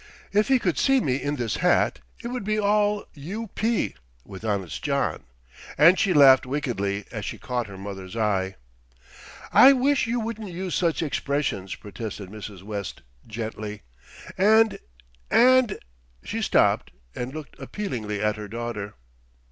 "If he could see me in this hat, it would be all 'u.p.' with Honest John;" and she laughed wickedly as she caught her mother's eye. "I wish you wouldn't use such expressions," protested Mrs. West gently, "and and " She stopped and looked appealingly at her daughter.